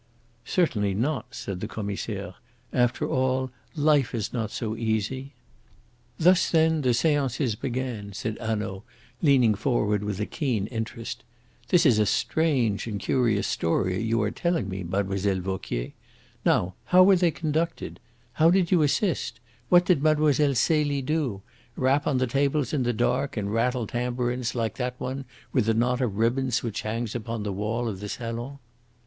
"Certainly not," said the Commissaire. "After all, life is not so easy." "Thus, then, the seances began," said Hanaud, leaning forward with a keen interest. "This is a strange and curious story you are telling me, Mlle. Vauquier. Now, how were they conducted? How did you assist? What did Mlle. Celie do? Rap on the tables in the dark and rattle tambourines like that one with the knot of ribbons which hangs upon the wall of the salon?"